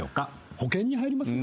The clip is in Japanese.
保険に入りません？